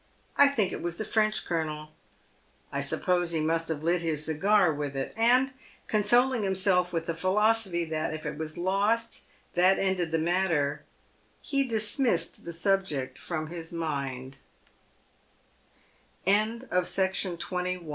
" I think it was the Trench colonel. I suppose he must have lit his cigar with it." And consoling himself with the philosophy that " if it was lost that ended the matter," he dismissed the subjec